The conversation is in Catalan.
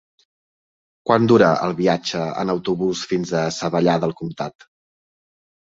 Quant dura el viatge en autobús fins a Savallà del Comtat?